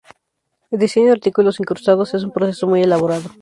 El diseño de artículos incrustados es un proceso muy elaborado.